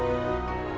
kalau kamu itu